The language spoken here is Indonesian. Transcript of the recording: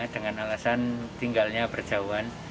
dengan alasan tinggalnya berjauhan